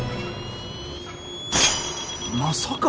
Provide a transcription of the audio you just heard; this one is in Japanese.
まさか。